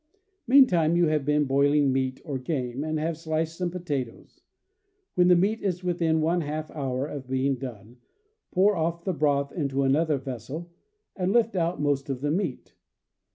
Meantime you have been boiling meat or game, and have sliced some potatoes. When the meat is within one half hour of being done, pour off the broth into another vessel and lift out most of the meat.